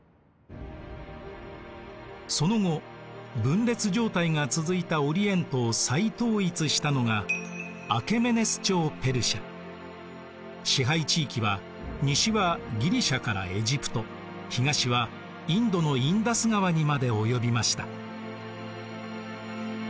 その後分裂状態が続いたオリエントを再統一したのが支配地域は西はギリシアからエジプト東はインドのインダス川にまで及びました。